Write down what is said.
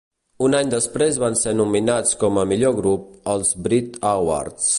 Un any després van ser nominats com a "Millor grup" als Brit Awards.